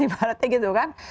ibaratnya gitu kan